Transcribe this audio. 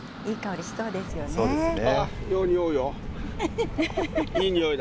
そうですね。